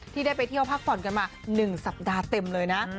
ที่ได้ไปเที่ยวพักผ่อนกันมา๑สัปดาห์เต็มเลยนะ